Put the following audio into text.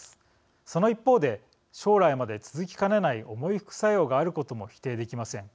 その一方で将来まで続きかねない重い副作用があることも否定できません。